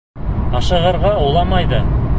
Ашығырға уйламай ҙа.